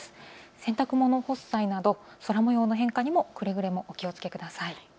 洗濯物を干す際など、空もようの変化にもくれぐれもお気をつけください。